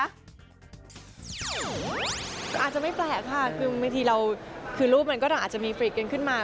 อาจจะไม่แปลกค่ะคือรูปมันก็อาจจะมีฟริกกันขึ้นมา